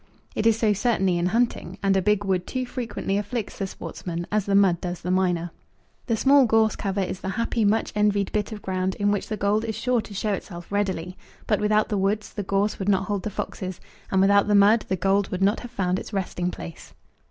It is so certainly in hunting, and a big wood too frequently afflicts the sportsman, as the mud does the miner. The small gorse cover is the happy, much envied bit of ground in which the gold is sure to show itself readily. But without the woods the gorse would not hold the foxes, and without the mud the gold would not have found its resting place.